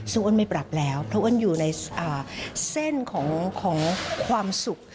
ซึ่งอ้วนไม่ปรับแล้วเพราะอ้วนอยู่ในเส้นของความสุข